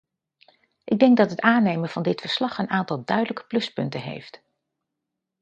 Ik denk dat het aannemen van dit verslag een aantal duidelijke pluspunten heeft.